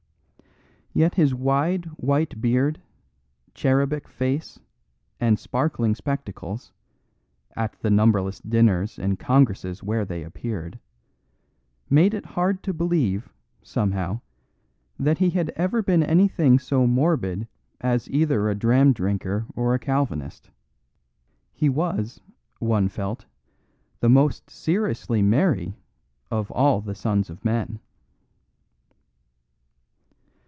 Yet his wide white beard, cherubic face, and sparkling spectacles, at the numberless dinners and congresses where they appeared, made it hard to believe, somehow, that he had ever been anything so morbid as either a dram drinker or a Calvinist. He was, one felt, the most seriously merry of all the sons of men.